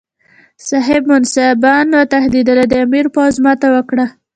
صاحب منصبان وتښتېدل او د امیر پوځ ماته وکړه.